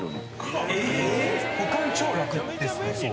保管超楽ですね。